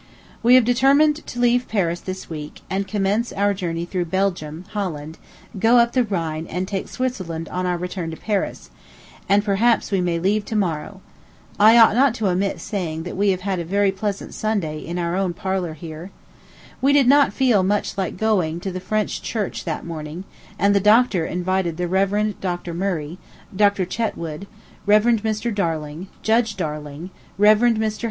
We have determined to leave Paris this week, and commence our journey through Belgium, Holland, go up the Rhine, and take Switzerland on our return to Paris and perhaps we may leave to morrow. I ought not to omit saying that we have had a very pleasant Sunday in our own parlor here. We did not feel much like going to the French church that morning; and the doctor invited the Rev. Dr. Murray, Dr. Chetwood, Rev. Mr. Darling, Judge Darling, Rev. Mr.